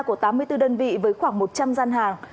của tám mươi bốn đơn vị với khoảng một trăm linh gian hàng